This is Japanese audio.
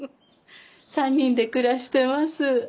三人で暮らしてます。